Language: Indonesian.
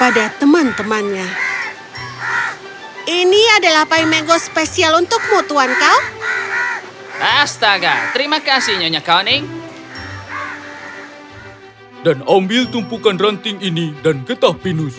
dan ambil tumpukan ranting ini dan getah pinus